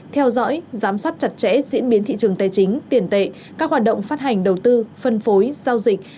theo dõi giám sát chặt chẽ diễn biến thị trường tài chính tiền tệ các hoạt động phát hành đầu tư phân phối giao dịch